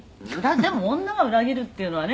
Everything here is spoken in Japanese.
「でも女は裏切るっていうのはね